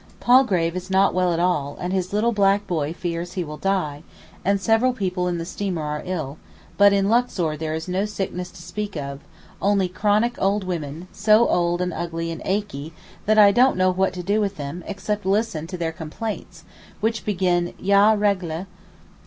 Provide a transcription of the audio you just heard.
Palgrave is not well at all, and his little black boy he fears will die, and several people in the steamer are ill, but in Luxor there is no sickness to speak of, only chronic old women, so old and ugly and achy, that I don't know what to do with them, except listen to their complaints, which begin, 'Ya ragleh.